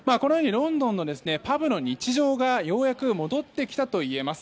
ロンドンのパブの日常がようやく戻ってきたといえます。